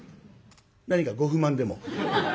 何かご不満でも？